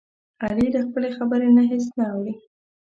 علي له خپلې خبرې نه هېڅ نه اوړوي.